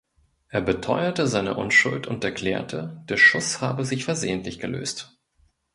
Er beteuerte seine Unschuld und erklärte, der Schuss habe sich versehentlich gelöst.